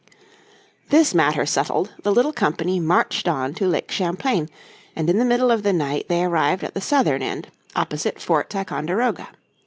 This matter settled the little company marched on to Lake Champlain, and in the middle of the night they arrived at the southern end, opposite Fort Ticonderoga.